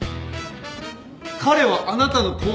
彼はあなたの後輩。